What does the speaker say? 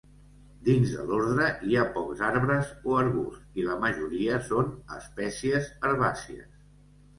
Dins de l'ordre hi ha pocs arbres o arbusts i la majoria són espècies herbàcies.